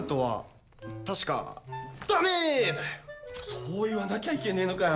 そう言わなきゃいけねえのかよ。